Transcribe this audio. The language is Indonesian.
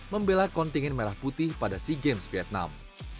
membela kontingen merah putih pada sea games vietnam